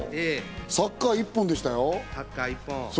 サッカー、一本でしたよ。